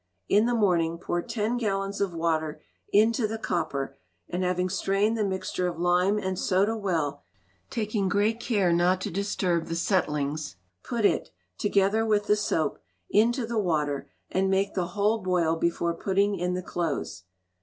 In the morning pour ten gallons of water into the copper, and having strained the mixture of lime and soda well, taking great care not to disturb the settlings, put it, together with the soap, into the water, and make the whole boil before putting in the clothes.